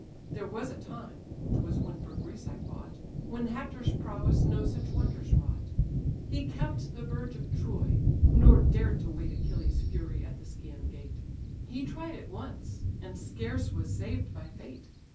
There was a time ('twas when for Greece I fought) When Hector's prowess no such wonders wrought; He kept the verge of Troy, nor dared to wait Achilles' fury at the Scæan gate; He tried it once, and scarce was saved by fate.